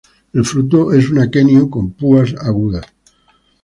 El fruto es un aquenio con púas agudas.